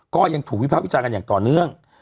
ก็ยังถูกวิภาควิจารณ์กันอย่างต่อเนื่อง